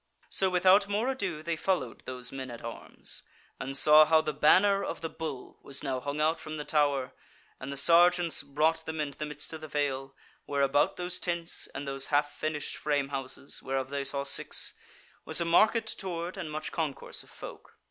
So without more ado they followed those men at arms, and saw how the banner of the Bull was now hung out from the Tower; and the sergeants brought them into the midst of the vale, where, about those tents and those half finished frame houses (whereof they saw six) was a market toward and much concourse of folk.